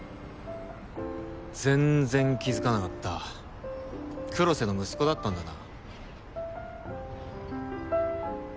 全然気づかなかった黒瀬の息子だったんだな